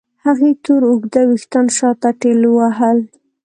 هغې تور اوږده وېښتان شاته ټېلوهل.